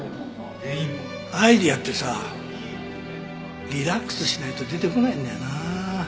アイデアってさリラックスしないと出てこないんだよなあ。